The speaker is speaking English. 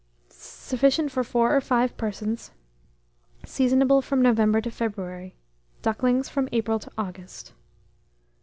Sufficient for 4 or 5 persons. Seasonable from November to February; ducklings from April to August.